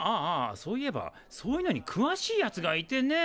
そういえばそういうのにくわしいやつがいてね。